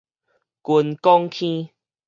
軍功坑